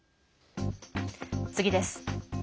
次です。